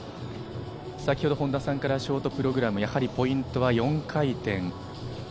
先ほど本田さんからショートプログラム、やはりポイントは４回転。